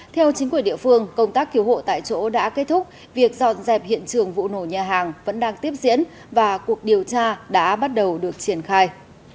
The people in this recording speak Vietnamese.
theo chính quyền địa phương công tác cứu hộ tại chỗ đã kết thúc việc dọn dẹp hiện trường vụ nổ nhà hàng vẫn đang tiếp diễn và cuộc điều tra đã bắt đầu được triển khai